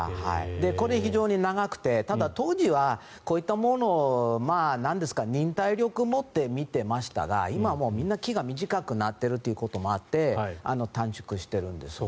これ、非常に長くてただ、当時はこういったものを忍耐力を持って見てましたが今はもうみんな気が短くなっているということもあって短縮しているんですね。